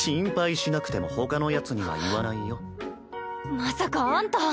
まさかあんた。